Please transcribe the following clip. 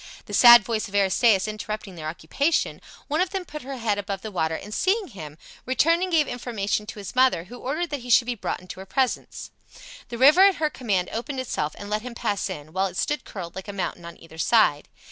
The sad voice of Aristaeus interrupting their occupation, one of them put her head above the water and seeing him, returned and gave information to his mother, who ordered that he should be brought into her presence. The river at her command opened itself and let him pass in, while it stood curled like a mountain on either side.